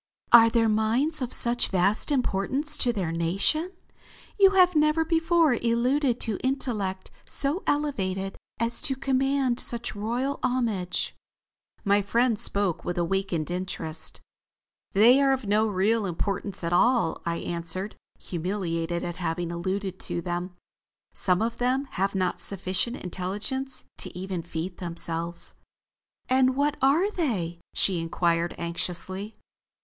"Are their minds of such vast importance to their nation? You have never before alluded to intellect so elevated as to command such royal homage." My friend spoke with awakened interest. "They are of no importance at all," I answered, humiliated at having alluded to them. "Some of them have not sufficient intelligence to even feed themselves." "And what are they?" she inquired anxiously.